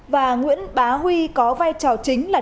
và nguyễn bá huy có vai trò chính là